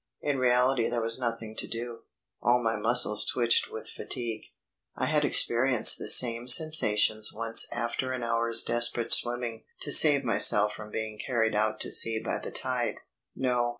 In reality there was nothing to do. All my muscles twitched with fatigue. I had experienced the same sensations once after an hour's desperate swimming to save myself from being carried out to sea by the tide. No.